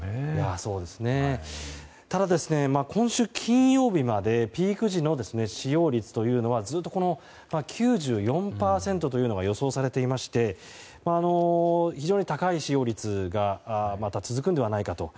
ただ、今週金曜日までピーク時の使用率というのはずっと９４％というのが予想されていまして非常に高い使用率が続くのではないかと。